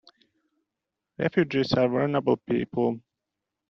Refugees are vulnerable people.